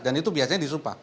dan itu biasanya disumpah